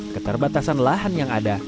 keterbatasan lahan yang ada